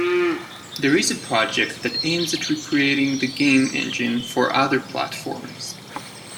There is a project that aims at recreating the game engine for other platforms.